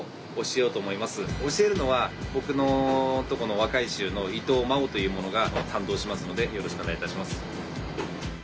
教えるのは僕のとこの若い衆の伊藤真生という者が担当しますのでよろしくお願いいたします。